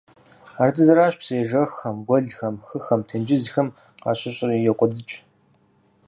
Ар дыдэращ псы ежэххэм, гуэлхэм, хыхэм, тенджызхэм къащыщӀри – йокӀуэдыкӀ.